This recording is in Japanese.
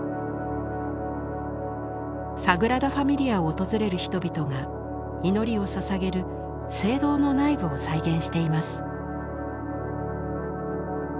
サグラダ・ファミリアを訪れる人々が祈りをささげる聖堂の内部を再現しています。